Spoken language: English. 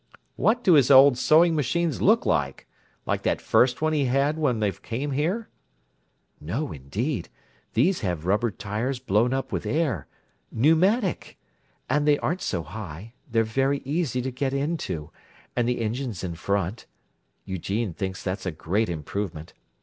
"What do his old sewing machines look like? Like that first one he had when they came here?" "No, indeed! These have rubber tires blown up with air—pneumatic! And they aren't so high; they're very easy to get into, and the engine's in front—Eugene thinks that's a great improvement.